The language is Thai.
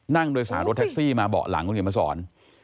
นั่งโดยสารรถแท็กซี่มาเบาะหลังคุณเขียนมาสอน